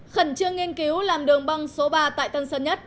khẩn trương nghiên cứu làm đường băng số ba tại tân sơn nhất